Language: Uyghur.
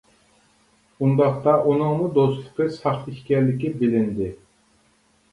ئۇنداقتا ئۇنىڭمۇ دوستلۇقى ساختا ئىكەنلىكى بىلىندى.